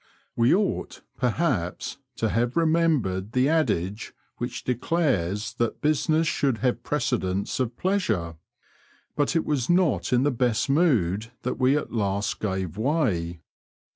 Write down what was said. We ought, perhaps, to have remembered the adage which declares that business should have precedence of pleasure ; but it was not in the best mood that we at last gave way.